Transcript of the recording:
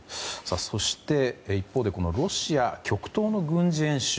そして、一方でロシア極東の軍事演習。